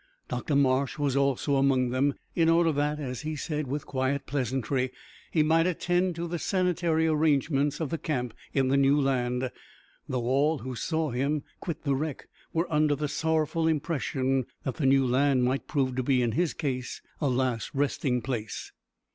Dr Marsh was also among them, in order that, as he said with quiet pleasantry, he might attend to the sanitary arrangements of the camp in the new land, though all who saw him quit the wreck were under the sorrowful impression that the new land would prove to be in his case a last resting place.